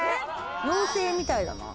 妖精みたいだな。